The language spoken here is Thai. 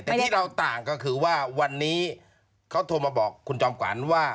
แต่ที่เราต่างก็คือว่าวันนี้เขาโทรมาบอกคุณจอมขวัญว่า